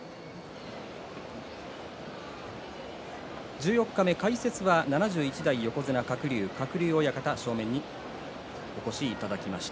十四日目解説は７１代横綱鶴竜の鶴竜親方を正面にお越しいただきました。